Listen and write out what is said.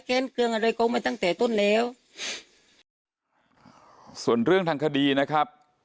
เกลืองอะไรเขามาตั้งแต่ต้นแล้วส่วนเรื่องทางคดีนะครับ